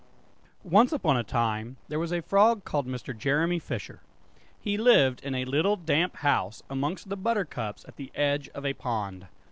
Once upon a time there was a frog called Mr. Jeremy Fisher; he lived in a little damp house amongst the buttercups at the edge of a pond.